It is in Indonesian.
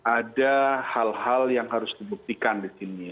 ada hal hal yang harus dibuktikan di sini